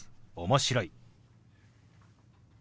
「面白い」。